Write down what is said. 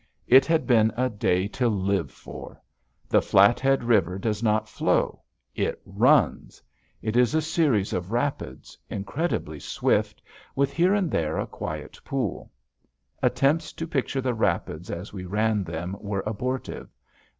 It had been a day to live for. The Flathead River does not flow; it runs. It is a series of rapids, incredibly swift, with here and there a quiet pool. Attempts to picture the rapids as we ran them were abortive.